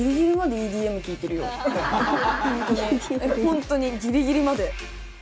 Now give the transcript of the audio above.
ほんとにギリギリまで。